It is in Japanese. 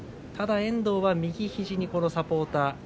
ただ遠藤は右肘にサポーター。